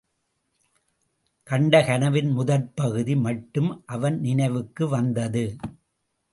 கண்ட கனவின் முதற்பகுதி மட்டும் அவன் நினைவுக்கு வந்தது.